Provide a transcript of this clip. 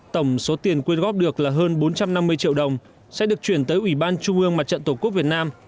tổng số tiền quyên góp được là hơn bốn trăm năm mươi triệu đồng sẽ được chuyển tới ủy ban trung ương mặt trận tổ quốc việt nam